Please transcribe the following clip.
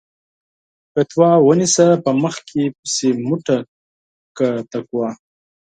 فَتوا ونيسه په مخ کې پسې مٔټه کړه تقوا